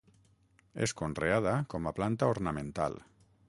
És conreada com a planta ornamental.